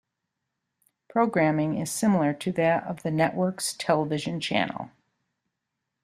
Programming is similar to that of the network's television channel.